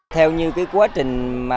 theo như quá trình